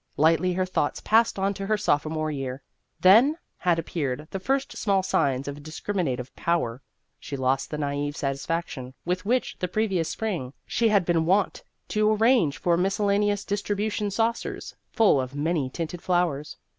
Lightly her thoughts passed on to her sophomore year. Then had appeared the first small signs of dis criminative power. She lost the nai've satisfaction with which the previous spring she had been wont to arrange for miscel laneous distribution saucers full of many tinted flowers.